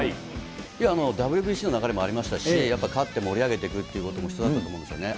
いや、ＷＢＣの流れもありましたし、やっぱ勝って盛り上げていくということも必要だったと思うんですよね。